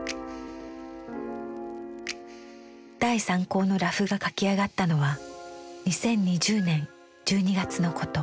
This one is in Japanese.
第３稿のラフが描き上がったのは２０２０年１２月のこと。